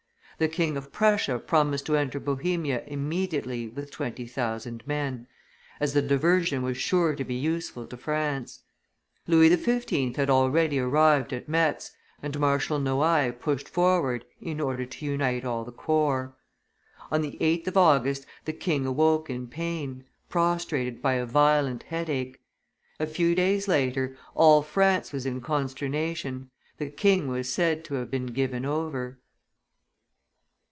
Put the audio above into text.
The King of Prussia promised to enter Bohemia immediately with twenty thousand men, as the diversion was sure to be useful to France. Louis XV. had already arrived at Metz, and Marshal Noailles pushed forward in order to unite all the corps. On the 8th of August the king awoke in pain, prostrated by a violent headache; a few days later, all France was in consternation; the king was said to have been given over.